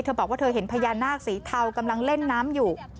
บอกว่าเธอเห็นพญานาคสีเทากำลังเล่นน้ำอยู่